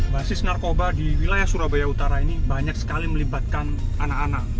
basis narkoba di wilayah surabaya utara ini banyak sekali melibatkan anak anak